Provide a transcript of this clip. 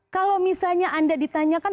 kalau misalnya anda ditanyakan